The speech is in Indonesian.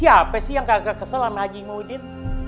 apa sih yang kagak kesel sama haji muhyiddin